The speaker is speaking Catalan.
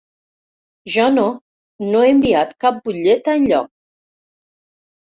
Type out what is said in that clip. Jo no, no he enviat cap butlleta enlloc.